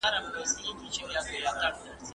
د ټولنې ستونزې د سياسي پرېکړو د لارې حل کيږي.